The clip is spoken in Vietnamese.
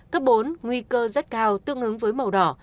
cấp bốn nguy cơ rất cao tương ứng với màu đỏ